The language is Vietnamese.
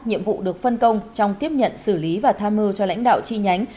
nhiệm vụ được phân công trong tiếp nhận xử lý và tham mưu cho lãnh đạo chi nhánh